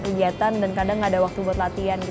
kegiatan dan kadang gak ada waktu buat latihan